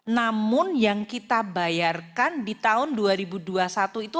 namun yang kita bayarkan di tahun dua ribu dua puluh satu itu